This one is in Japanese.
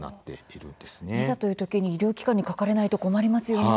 いざというときに医療機関にかかれないと困りますよね。